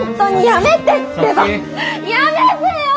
やめてよ！